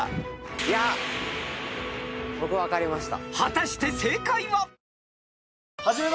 いや僕分かりました。